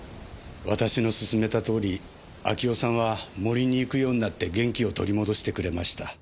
私の勧めたとおり明代さんは森に行くようになって元気を取り戻してくれました。